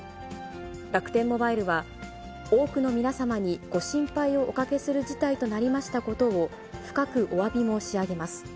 楽天モバイルは、多くの皆様にご心配をおかけする事態となりましたことを、深くおわび申し上げます。